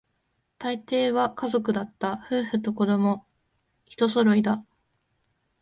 大抵は家族だった、夫婦と子供、一揃いだ